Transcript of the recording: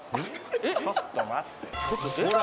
「ちょっと待って」